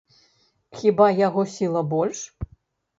Хіба яго сіла больш?